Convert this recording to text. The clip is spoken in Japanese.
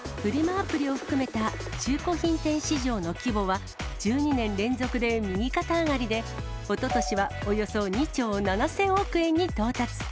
アプリを含めた中古品店市場の規模は、１２年連続で右肩上がりで、おととしはおよそ２兆７０００億円に到達。